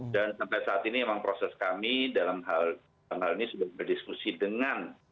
dan sampai saat ini memang proses kami dalam hal ini sudah berdiskusi dengan